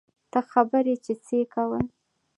ته خبر يې چې څه يې کول.